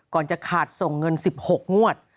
จะขาดส่งเงิน๑๖งวด